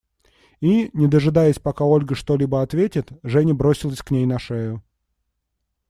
И, не дожидаясь, пока Ольга что-либо ответит, Женя бросилась к ней на шею.